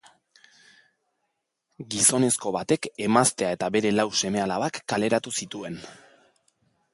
Gizonezko batek emaztea eta bere lau seme-alabak kaleratu zituen.